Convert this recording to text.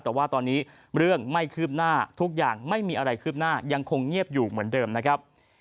แต่ว่าตอนนี้เรื่องไม่คืบหน้าทุกอย่างไม่มีอะไรคืบหน้ายังคงเงียบอยู่เหมือนเดิมนะครับ